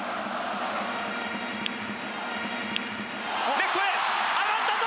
レフトへ上がったぞ！